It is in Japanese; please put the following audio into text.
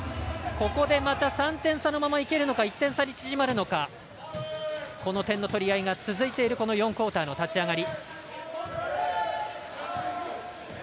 ここでまた３点差のままいけるか１点差に縮まるのか点の取り合いが続いているこの４クオーターの立ち上がり。